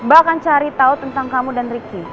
mbak akan cari tau tentang kamu dan riki